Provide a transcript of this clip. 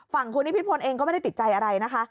ฝั่งคุณนิพิษพลเองก็ไม่ได้ติดใจอะไรนะคะ